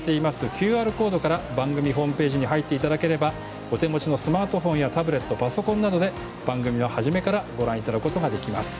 ＱＲコードから番組ホームページに入っていただければお手持ちのスマートフォンやタブレット、パソコンなどで番組をはじめからご覧いただくことができます。